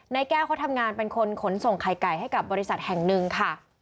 นายแก้วเขาทำงานเป็นคนขนส่งไข่ไก่ให้กับบริษัทแห่งหนึ่งค่ะ